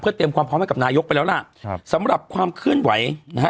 เตรียมความพร้อมให้กับนายกไปแล้วล่ะครับสำหรับความเคลื่อนไหวนะฮะ